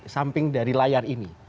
samping dari layar ini